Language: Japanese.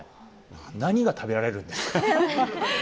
何が食べられるんですか？